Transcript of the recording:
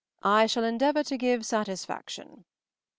I shall endeavour to give satisfaction.